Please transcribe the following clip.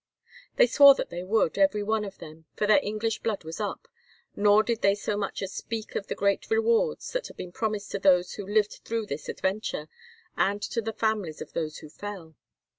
They swore that they would, every one of them, for their English blood was up, nor did they so much as speak of the great rewards that had been promised to those who lived through this adventure, and to the families of those who fell.